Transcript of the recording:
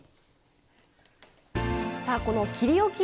さあこの切りおき